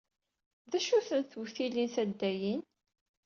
D acu-ten tewtilin taddayin?